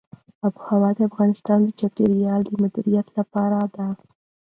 آب وهوا د افغانستان د چاپیریال د مدیریت لپاره ده.